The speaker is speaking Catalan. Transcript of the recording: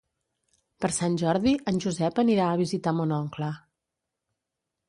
Per Sant Jordi en Josep anirà a visitar mon oncle.